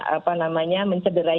apa namanya mencegerai